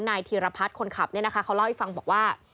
ธีรพัฒน์คนขับเนี่ยนะคะเขาเล่าให้ฟังบอกว่า